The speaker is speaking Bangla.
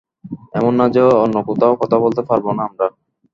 এমন না যে, অন্য কোথাও কথা বলতে পারব না আমরা।